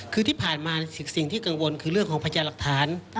คือที่ผ่านมาสิ่งที่กังวลคือเรื่องของพญาหลักฐาน